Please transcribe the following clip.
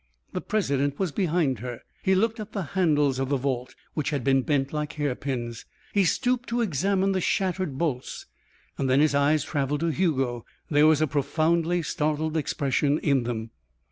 The president was behind her. He looked at the handles of the vault, which had been bent like hair pins, and he stooped to examine the shattered bolts. Then his eyes travelled to Hugo. There was a profoundly startled expression in them.